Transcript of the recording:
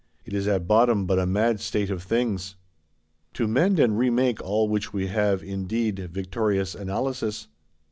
It is at bottom but a mad state of things. To mend and remake all which we have, indeed, victorious Analysis.